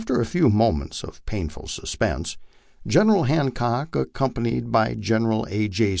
After a few moments of painful suspense, General Hancock, accompanied by General A. J.